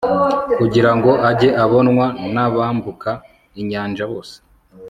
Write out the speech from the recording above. kugira ngo ajye abonwa n'abambuka inyanja bose